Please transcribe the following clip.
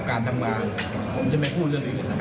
การทำงานผมจะไม่พูดเรื่องอื่นของอีก